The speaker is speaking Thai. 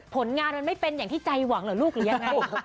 ผลงานมันไม่เป็นอย่างที่ใจหวังเหรอลูกหรือยังไง